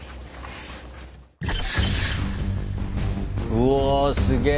うおすげぇ！